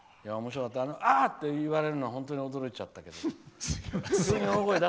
あー！と言われるのは本当に驚いちゃったけど。